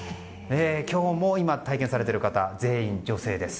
今日も今、体験されている方は全員女性です。